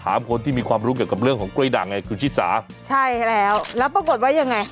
คนที่มีความรู้เกี่ยวกับเรื่องของกล้วยด่างไงคุณชิสาใช่แล้วแล้วปรากฏว่ายังไง